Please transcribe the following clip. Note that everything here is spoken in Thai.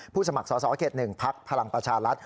ผู้สมัครสอเขต๑พรรณประชารัฐ